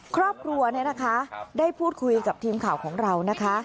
ครอบครัวเนี่ยนะคะได้พูดคุยกับทีมข่าวของเรานะคะ